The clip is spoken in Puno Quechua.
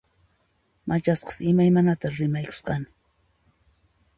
Machasqas imaymanata rimayusqani